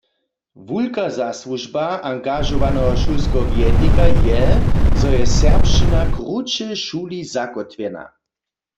Wulka zasłužba angažowaneho šulskeho wjednika je, zo je serbšćina kruće w šuli zakótwjena.